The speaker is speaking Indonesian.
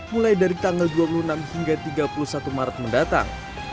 mulai dari tanggal dua puluh enam hingga tiga puluh satu maret mendatang